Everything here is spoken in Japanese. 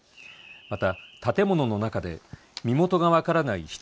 また建物の中で身元が分からない